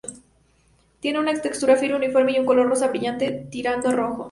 Tiene una textura firme, uniforme y un color rosa brillante tirando a rojo.